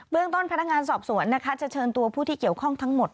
เรื่องต้นพนักงานสอบสวนนะคะจะเชิญตัวผู้ที่เกี่ยวข้องทั้งหมด